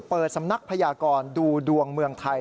เปิดสำนักพยากรดูดวงเมืองไทย